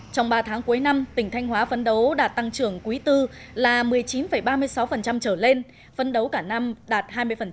trong ba tháng cuối năm tỉnh thanh hóa phấn đấu đạt tăng trưởng quý tư là một mươi chín ba mươi sáu trở lên phấn đấu cả năm đạt hai mươi